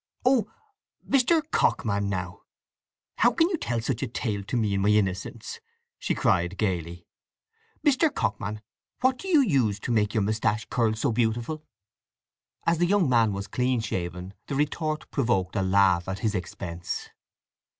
"Oh, Mr. Cockman, now! How can you tell such a tale to me in my innocence!" she cried gaily. "Mr. Cockman, what do you use to make your moustache curl so beautiful?" As the young man was clean shaven, the retort provoked a laugh at his expense.